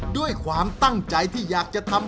ด้วยความตั้งใจที่อยากจะทำ